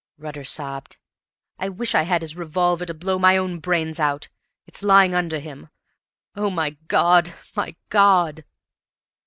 Rutter sobbed. "I wish I had his revolver to blow my own brains out. It's lying under him. O my God, my God!"